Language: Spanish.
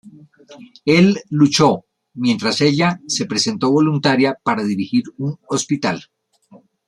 Él luchó, mientras ella se presentó voluntaria para dirigir un hospital.